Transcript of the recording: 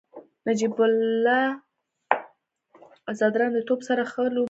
نجیب الله زدران د توپ سره ښه لوبه کوي.